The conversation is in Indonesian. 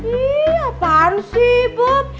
iya pansi ibab